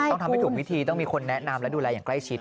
ต้องทำให้ถูกวิธีต้องมีคนแนะนำและดูแลอย่างใกล้ชิด